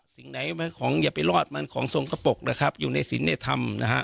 สิ่งไหนของอย่าไปรอดมันของทรงกระปกนะครับอยู่ในศิลป์ในธรรมนะฮะ